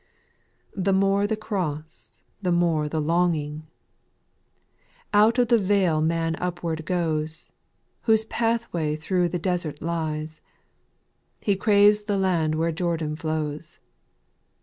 J The more the cross, the more the longing;— Out of the vale man upward goes ; Whose pathway through the desert lies, He craves the land where Jordan flows.